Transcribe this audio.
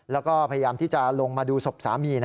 แล้วก็พยายามที่จะลงมาดูศพสามี